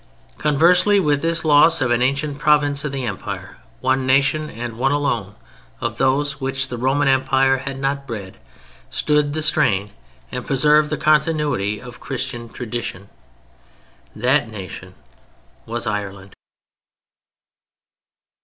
Conversely with this loss of an ancient province of the Empire, one nation, and one alone, of those which the Roman Empire had not bred, stood the strain and preserved the continuity of Christian tradition: that nation was Ireland.